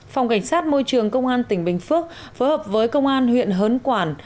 phòng cảnh sát môi trường công an tỉnh bình phước phối hợp với công an huyện hớn quản